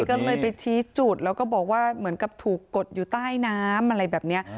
ก็เลยไปชี้จุดแล้วก็บอกว่าเหมือนกับถูกกดอยู่ใต้น้ำอะไรแบบนี้